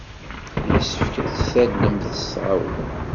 Yessefk ad t-tallemt s tɣawla!